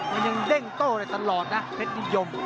มันยังเด้งโตตลอดนะเพศนิยม